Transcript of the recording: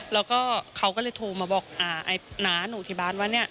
แล้วก็เขาก็เลยโทรมาบอกไอ้น้าหนูที่บ้านว่าเนี่ย